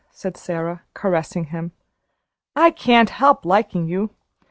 said Sara, caressing him. "I can't help liking you.